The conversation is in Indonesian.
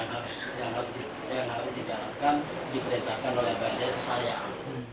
karena di padepokan ada visi dan misi yang harus dijalankan diperintahkan oleh banda yang sayang